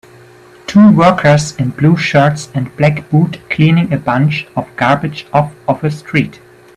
Two workers in blue shirts and black boot cleaning a bunch of garbage off of a street.